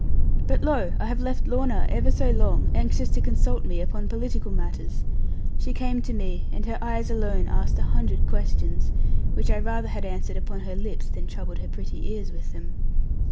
But lo! I have left Lorna ever so long, anxious to consult me upon political matters. She came to me, and her eyes alone asked a hundred questions, which I rather had answered upon her lips than troubled her pretty ears with them.